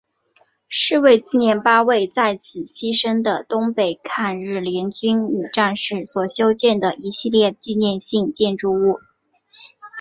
是为纪念八位在此牺牲的东北抗日联军女战士所修建的一系列纪念性建筑物。